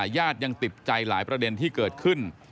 ญาติยังติดใจหลายประเด็นที่เกิดขึ้น